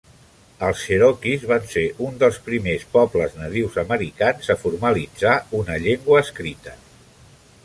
Els cherokees van ser un dels primers pobles nadius americans a formalitzar una llengua escrita.